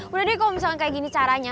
udah deh kalau misalnya kayak gini caranya